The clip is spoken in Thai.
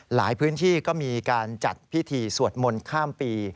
หลายพื้นที่ก็มีการจัดพิธีสวดมนต์ข้ามปี